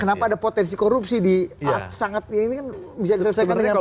kenapa ada potensi korupsi di sangat ini kan bisa diselesaikan dengan baik